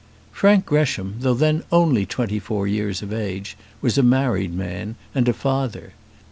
Frank Gresham, though then only twenty four years of age, was a married man, and a father.